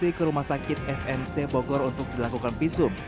di ke rumah sakit fmc bogor untuk dilakukan visum